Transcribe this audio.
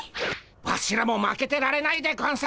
ワシらも負けてられないでゴンス。